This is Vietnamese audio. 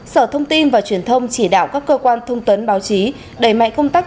sở thông tin và truyền thông chỉ đạo các cơ quan thông tấn báo chí đẩy mạnh công tác